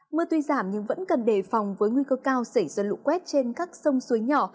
mưa tuy giảm nhưng vẫn cần đề phòng với nguy cơ cao xảy ra lũ quét trên các sông suối nhỏ